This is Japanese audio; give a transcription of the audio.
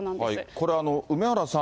これ、梅原さん、